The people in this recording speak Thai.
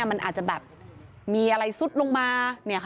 มันอาจจะแบบมีอะไรซุดลงมา